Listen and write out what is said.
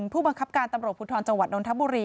ผู้บังคับการตำรวจปุฏิฐานจังหวัดนนทบุรี